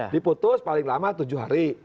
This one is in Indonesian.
diputus paling lama tujuh hari